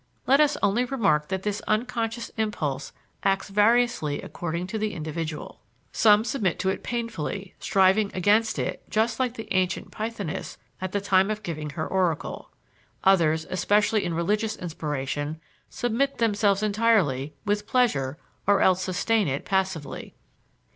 Let us only remark that this unconscious impulse acts variously according to the individual. Some submit to it painfully, striving against it just like the ancient pythoness at the time of giving her oracle. Others, especially in religious inspiration, submit themselves entirely with pleasure or else sustain it passively.